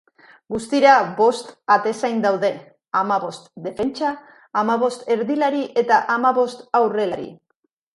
Guztira bost atezain daude, hamabost defentsa, hamabost erdilari eta hamabost aurrelari.